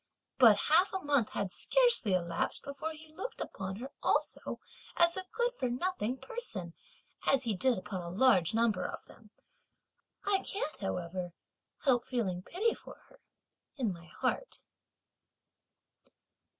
But half a month had scarcely elapsed before he looked upon her also as a good for nothing person as he did upon a large number of them! I can't however help feeling pity for her in my heart."